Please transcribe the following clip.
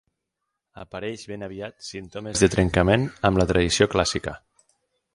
Apareix ben aviat símptomes de trencament amb la tradició clàssica.